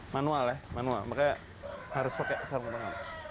manual ya manual makanya harus pakai sarung tangan